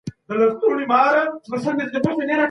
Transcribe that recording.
مثلاً ځیني کړيو پښتانه د یهودي